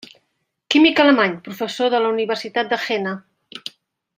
Químic alemany, professor de la Universitat de Jena.